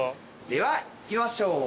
ではいきましょう。